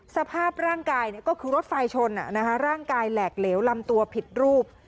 สภาพร่างกายก็คือรถไฟชนร่างกายแหลกเหลวลำตัวผิดรูป